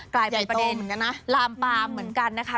กลายเป็นประเด็นลามปามเหมือนกันนะคะ